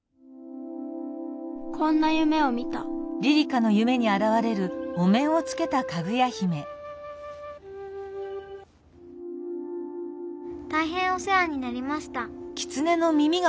こんなゆめを見たたいへんおせわになりました。